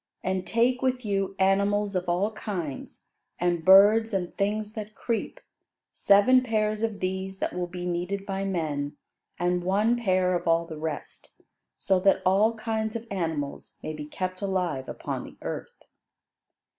And take with you animals of all kinds, and birds, and things that creep; seven pairs of these that will be needed by men, and one pair of all the rest, so that all kinds of animals may be kept alive upon the earth."